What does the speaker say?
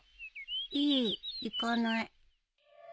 いい行かない。